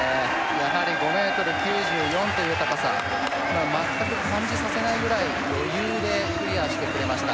やはり５ｍ９４という高さ全く感じさせないぐらい余裕でクリアしてくれました